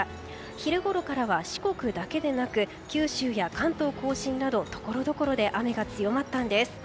昼ごろからは四国だけでなく九州や関東・甲信などところどころで雨が強まったんです。